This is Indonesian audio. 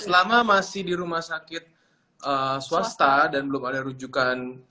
selama masih di rumah sakit swasta dan belum ada rujukan